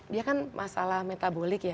dia kan masalah metabolik ya